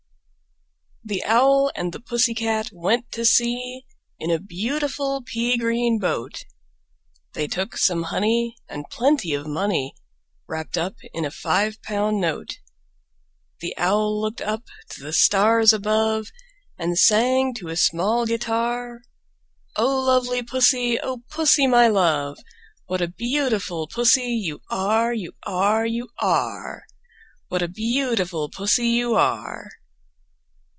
The Owl and the Pussy Cat went to sea In a beautiful pea green boat: They took some honey, and plenty of money Wrapped up in a five pound note. The Owl looked up to the stars above, And sang to a small guitar, "O lovely Pussy, O Pussy, my love, What a beautiful Pussy you are, You are, You are! What a beautiful Pussy you are!"